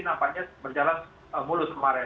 nampaknya berjalan mulus kemarin